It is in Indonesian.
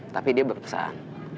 tapi dia berpesan